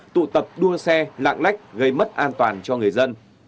tụ tập đua xe lạng lách gây mất an toàn cho người dân